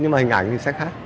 nhưng mà hình ảnh thì sẽ khác